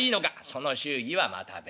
「その祝儀はまた別だ。